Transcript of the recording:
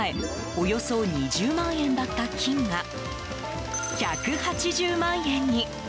およそ２０万円だった金が１８０万円に！